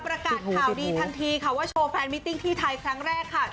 ประกาศข่าวดีทันทีค่ะว่าโชว์แฟนมิติ้งที่ไทยครั้งแรกค่ะ